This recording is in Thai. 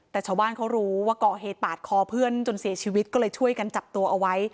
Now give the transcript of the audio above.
แต่ชาวบ้านเขารู้ว่าก่อเหตุปาดคอเพื่อนจนเสียชีวิตก็เลยช่วยกันจับตัวเอาไว้